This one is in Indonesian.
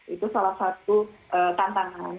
itu salah satu tantangan